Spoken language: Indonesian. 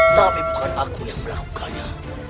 tapi bukan aku yang melakukannya